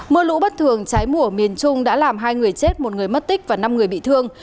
mưa lũ bất thường cháy mùa miền trung đã làm hai người chết một người mất tích và năm người bị thương